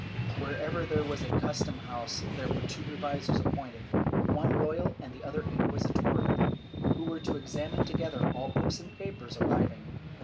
Wherever there was a custom house, there were two revisors appointed, one royal and the other inquisitorial, who were to examine together all books and papers arriving.